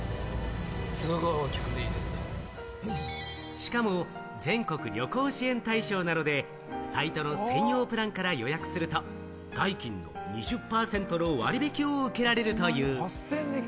しかも全国旅行支援対象なので、サイトの専用プランから予約すると、代金の２０％の割引を受けられるという。